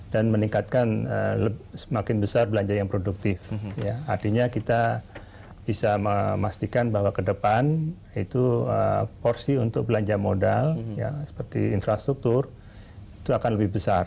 dan meningkatkan semakin besar belanja yang produktif artinya kita bisa memastikan bahwa ke depan itu porsi untuk belanja modal seperti infrastruktur itu akan lebih besar